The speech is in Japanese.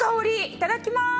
いただきます。